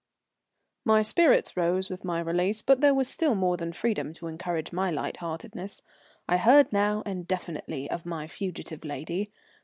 My spirits rose with my release, but there was still more than freedom to encourage my light heartedness. I heard now and definitely of my fugitive lady.